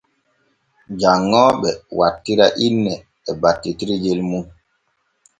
Janŋooɓe wattira inne e battitirgel mum.